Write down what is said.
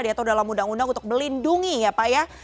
diatur dalam undang undang untuk melindungi ya pak ya